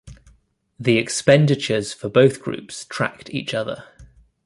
The expenditures for both groups tracked each other.